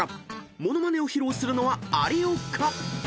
［モノマネを披露するのは有岡］